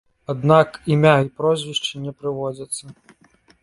Аднак імя і прозвішча не прыводзяцца.